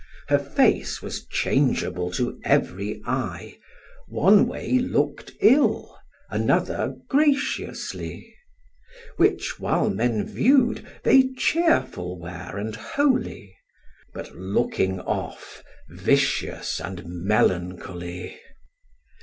Her face was changeable to every eye; One way look'd ill, another graciously; Which while men view'd, they cheerful were and holy, But looking off, vicious and melancholy.